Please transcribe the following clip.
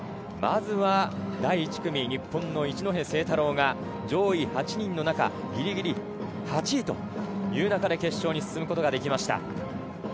まずは第１組、日本の一戸誠太郎が上位８人の中、ギリギリ８位という中で決勝に進むことができました。